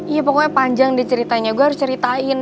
iya pokoknya panjang nih ceritanya gue harus ceritain